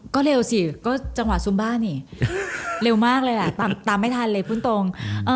ก็เร็วสิก็จังหวะซุมบ้านนี่เร็วมากเลยแหละตามตามไม่ทันเลยพูดตรง